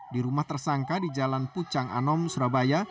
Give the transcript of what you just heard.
di rumah tersangka di jalan pucang anom surabaya